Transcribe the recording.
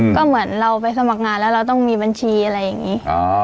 ก็เหมือนเราไปสมัครงานแล้วเราต้องมีบัญชีอะไรอย่างนี้